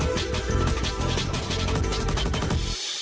โปรดติดตามตอนต่อไป